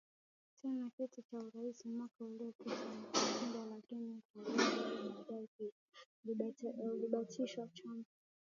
tena kiti cha urais mwaka uliopita na kushindwa lakini uchaguzi huo baadaye ulibatilishwaChama